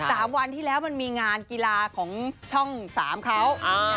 สามวันที่แล้วมันมีงานกีฬาของช่องสามเขา